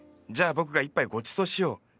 じゃあ僕が一杯ごちそうしよう。